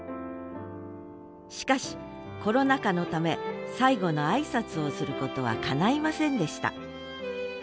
しかしコロナ禍のため最後の挨拶をすることはかないませんでした。